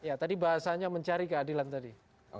ya tadi bahasanya mencari keadilan tadi